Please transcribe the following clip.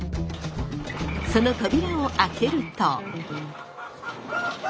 その扉を開けると。